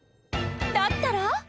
だったら？